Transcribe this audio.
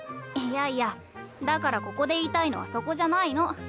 いやいやだからここで言いたいのはそこじゃないの。